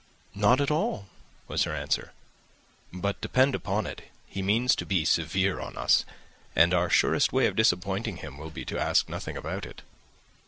"Not at all," was her answer; "but, depend upon it, he means to be severe on us, and our surest way of disappointing him will be to ask nothing about it."